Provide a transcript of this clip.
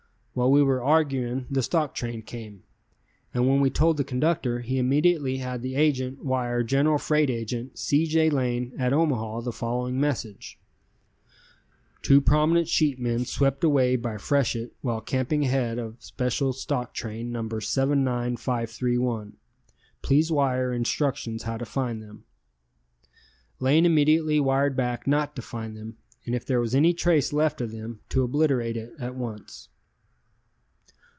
While we were arguing the stock train came, and when we told the conductor, he immediately had the agent wire General Freight Agent C. J. Lane at Omaha the following message: "Two prominent sheepmen swept away by freshet while camping ahead of special stock train No. 79531. Please wire instructions how to find them." Lane immediately wired back not to find them, and if there was any trace left of them to obliterate it at once.